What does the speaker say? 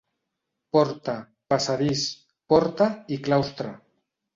Porta, passadís, porta i claustre.